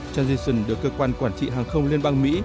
transition được cơ quan quản trị hàng không liên bang mỹ